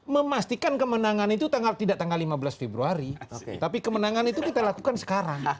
memastikan kemenangan itu tidak tanggal lima belas februari tapi kemenangan itu kita lakukan sekarang